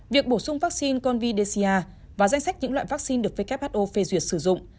việc bổ sung vắc xin covid một mươi chín và danh sách những loại vắc xin được who phê duyệt sử dụng